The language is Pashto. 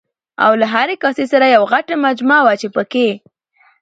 او له هرې کاسې سره یوه غټه مجمه وه چې پکې